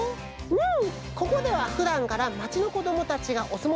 うん。